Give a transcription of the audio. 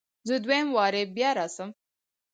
زه دوهم واري بیا راسم؟